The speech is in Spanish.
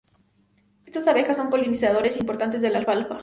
Estas abejas son polinizadores importantes de la alfalfa.